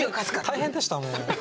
大変でしたもう。